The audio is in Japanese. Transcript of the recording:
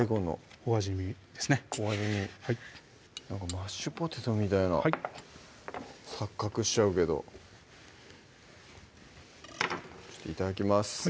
お味見なんかマッシュポテトみたいな錯覚しちゃうけどいただきます